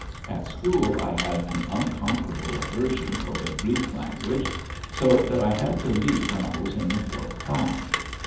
At school I had an unconquerable aversion for the Greek language, so that I had to leave when I was in the fourth class.